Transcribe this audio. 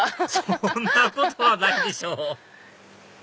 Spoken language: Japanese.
そんなことはないでしょ